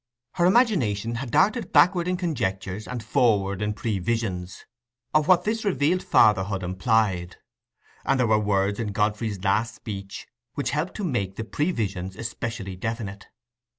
Her imagination had darted backward in conjectures, and forward in previsions, of what this revealed fatherhood implied; and there were words in Godfrey's last speech which helped to make the previsions especially definite.